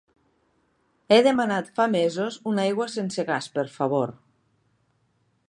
He demanat fa mesos una aigua sense gas, per favor.